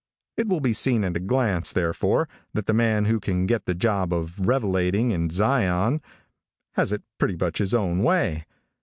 It will be seen at a glance, therefore, that the man who can get the job of revelating in Zion, has it pretty much his own way.